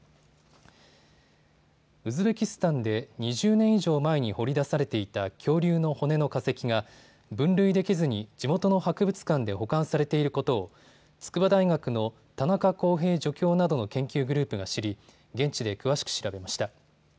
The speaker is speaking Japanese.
ウズベキスタンで２０年以上前に掘り出されていた恐竜の骨の化石が分類できずに地元の博物館で保管されていることを筑波大学の田中康平助教などの研究グループが知り現地で詳しく調べました。